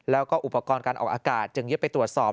แล้วก็อุปกรณ์การออกอากาศจึงเย็บไปตรวจสอบ